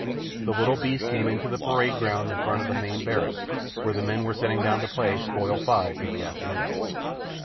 The little beast came in through the parade ground in front of the main barracks, where the men were settling down to play Spoil five till the afternoon.